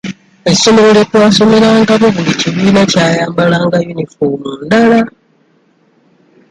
Essomero lye twasomerangamu buli kibiina kyayambalanga yuniform ndala.